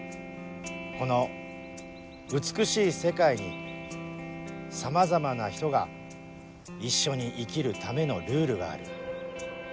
この美しい世界にさまざまな人が一緒に生きるためのルールがある。